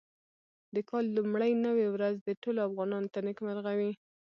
د کال لومړۍ نوې ورځ دې ټولو افغانانو ته نېکمرغه وي.